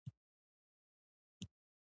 خراب مشران له واکه لرې وساتل شي.